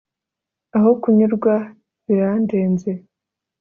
Aho kunyurwa birandenze